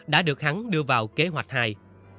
đã được hắn đưa vào kế hoạch hai